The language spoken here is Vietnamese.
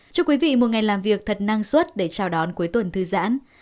chúc quý vị một ngày làm việc thật năng suất để chào đón cuối tuần thư giãn